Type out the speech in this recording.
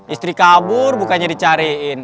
istri kabur bukannya dicariin